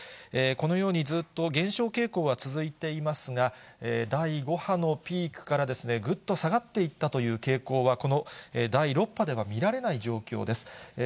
このようにずっと減少傾向は続いていますが、第５波のピークから、ぐっと下がっていったという傾向は、この第６波では見られない状況です。